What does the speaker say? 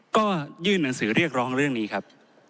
ก็ยื่นหนังสือเรียกร้องเรื่องนี้ครับ